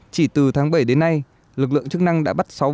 chỉ từ tháng bảy đến nay lực lượng chức năng đã bắt giữ và bắt giữ